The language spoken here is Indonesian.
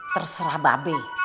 terserah mba be